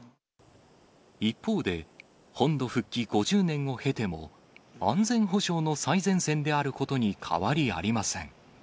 一方で、本土復帰５０年を経ても、安全保障の最前線であることに変わりありません。